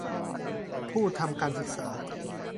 ผู้ทำการศึกษา